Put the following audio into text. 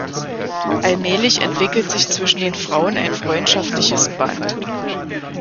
Allmählich entwickelt sich zwischen den Frauen ein freundschaftliches Band.